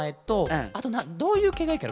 あとどういうけいがいいケロ？